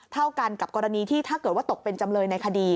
เท่ากันกับกรณีที่ถ้าเกิดว่าตกเป็นจำเลยในคดี